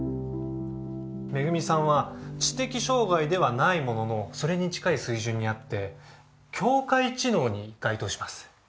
恵さんは知的障害ではないもののそれに近い水準にあって境界知能に該当します。